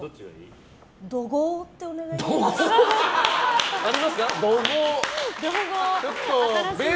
怒号ってお願いできます？